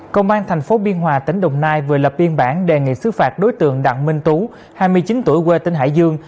công an tp biên hòa tỉnh đồng nai vừa lập biên bản đề nghị xứ phạt đối tượng đặng minh tú hai mươi chín tuổi quê tỉnh hải dương